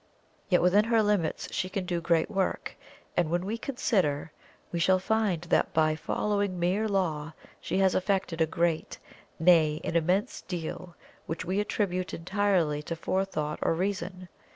Yet within her limits she can do great work, and when we consider, we shall find that by following mere Law she has effected a great, nay, an immense, deal, which we attribute entirely to forethought or Reason.